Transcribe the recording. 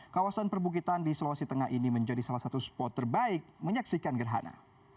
kawasan perbukitan di sulawesi tengah ini menjadi salah satu spot terbaik menyaksikan gerhana